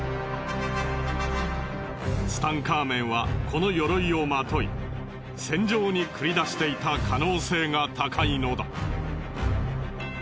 ツタンカーメンはこの鎧をまとい戦場に繰り出していた可能性が高いのだ。